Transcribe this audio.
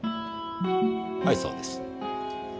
はいそうです。